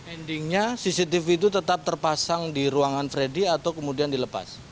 endingnya cctv itu tetap terpasang di ruangan freddy atau kemudian dilepas